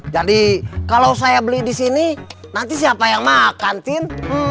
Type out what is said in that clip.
jadi kalau saya beli disini nanti siapa yang makan tin